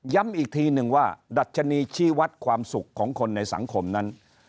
อีกทีหนึ่งว่าดัชนีชี้วัดความสุขของคนในสังคมนั้น